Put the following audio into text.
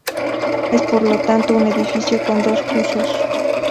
Es por lo tanto un edificio con dos usos.